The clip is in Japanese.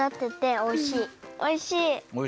おいしい？